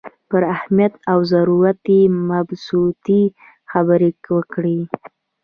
پر اهمیت او ضرورت یې مبسوطې خبرې وکړې.